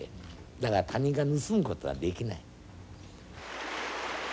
だから他人が盗むことはできない。